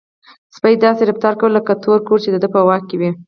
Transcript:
سپی داسې رفتار کاوه لکه ټول کور چې د ده په واک کې وي.